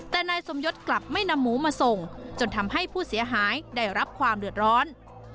แต่นายสมยศกลับไม่นำหมูมาส่งจนทำให้ผู้เสียหายได้รับความเดือดร้อน